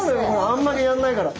あんまりやんないから。